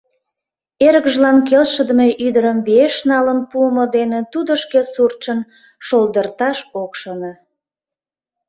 Эргыжлан келшыдыме ӱдырым виеш налын пуымо дене тудо шке суртшын шолдырташ ок шоно.